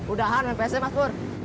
udah kan mpc mas pur